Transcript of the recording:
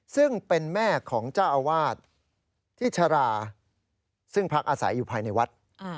ซึ่งเป็นแม่ของเจ้าอาวาสที่ชราซึ่งพักอาศัยอยู่ภายในวัด